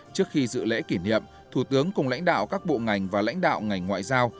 trước khi dự lễ kỷ niệm thủ tướng cùng lãnh đạo các bộ ngành và lãnh đạo ngành ngoại giao